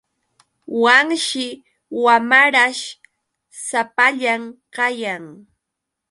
Wanshi wamarash sapallan kayan.